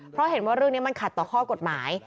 เพราะเห็นว่าเรื่องนี้มันขัดต่อข้อกฎหมาย